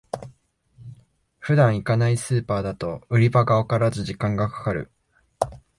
普段行かないスーパーだと売り場がわからず時間がかかる